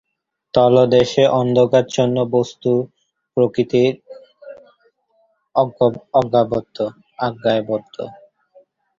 তলদেশের অন্ধকারাচ্ছন্ন বস্তুর প্রকৃতি অজ্ঞাত।